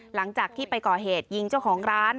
หลังจากที่ไปก่อเหตุยิงเจ้าของร้าน